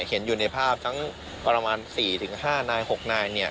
เห็นอยู่ในภาพทั้งประมาณ๔๕นาย๖นายเนี่ย